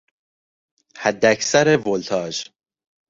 حداکثر ولتاژ